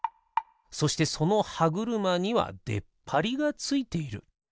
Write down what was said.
そしてそのはぐるまにはでっぱりがついている。